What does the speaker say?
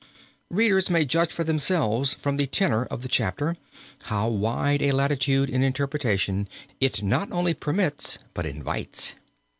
Readers may judge for themselves from the tenor of the chapter, how wide a latitude in interpretation it not only permits, but invites.